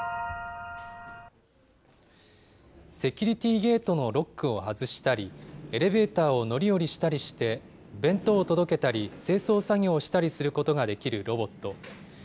セキュリティーゲートのロックを外したり、エレベーターを乗り降りしたりして、弁当を届けたり清掃作業をしたりすることができるロボット。